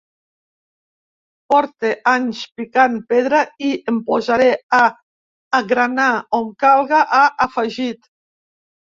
Porte anys picant pedra i em posaré a agranar, on calga, ha afegit.